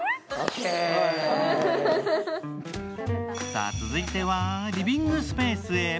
さあ、続いてはリビングスペースへ。